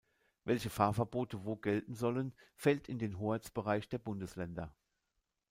Welche Fahrverbote wo gelten sollen, fällt in den Hoheitsbereich der Bundesländer.